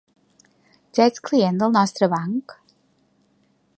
Ja ets client del nostre banc?